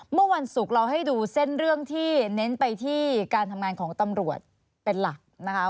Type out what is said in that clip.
เมื่อวันศุกร์เราให้ดูเส้นเรื่องที่เน้นไปที่การทำงานของตำรวจเป็นหลักนะคะ